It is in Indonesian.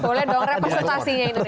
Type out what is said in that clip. boleh dong representasinya ini